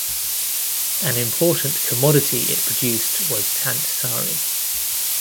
An important commodity it produced was tant sari.